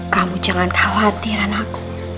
kamu jangan khawatiran aku